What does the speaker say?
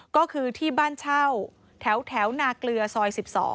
ก็คือที่บ้านเช่าแถวนาเกลือซอย๑๒